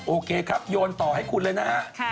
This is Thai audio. โอเคครับโยนต่อให้คุณเลยนะฮะ